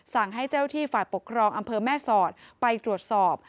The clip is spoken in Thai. สั่งให้เจ้าที่ฝ่ายปกครองอำเภอแม่สอดไปตรวจสอบ